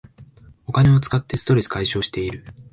お金を使ってストレス解消してる